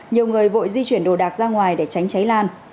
nhiều người vội di chuyển đồ đạc ra ngoài để tránh cháy lan